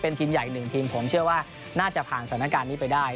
ทีมใหญ่หนึ่งทีมผมเชื่อว่าน่าจะผ่านสถานการณ์นี้ไปได้